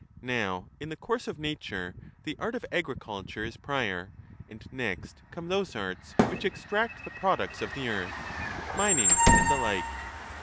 Now in the course of nature the art of agriculture is prior, and next come those arts which extract the products of the earth, mining and the like.